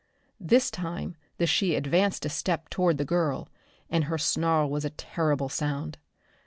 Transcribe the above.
This time the she advanced a step toward the girl, and her snarl was a terrible sound.